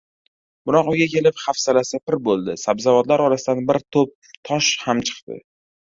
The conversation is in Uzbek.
Biroq uyga kelib hafsalasi pir boʻldi: sabzavotlar orasidan bir toʻp tosh ham chiqdi!